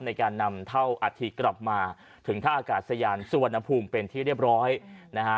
ในการนำเท่าอาทิตกลับมาถึงท่าอากาศยานสุวรรณภูมิเป็นที่เรียบร้อยนะฮะ